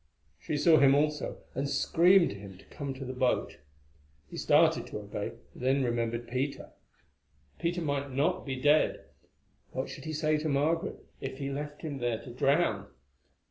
She saw him also, and screamed to him to come to the boat. He started to obey, then remembered Peter. Peter might not be dead; what should he say to Margaret if he left him there to drown?